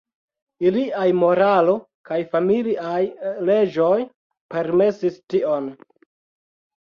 Iliaj moralo kaj familiaj leĝoj permesis tion.